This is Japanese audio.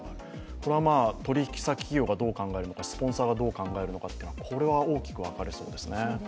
これは取引先企業がどう考えるのか、スポンサーがどう考えるかで大きく変わりますね。